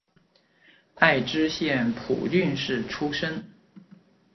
爱知县蒲郡市出身。